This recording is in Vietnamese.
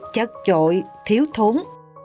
chất trội thiếu thốn